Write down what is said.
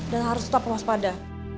dan harus tetap berwaspada